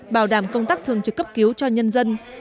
bảo đảm công tác thường trực cấp cứu cho nhân dân